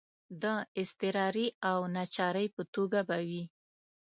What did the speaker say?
د اضطراري او ناچارۍ په توګه به وي.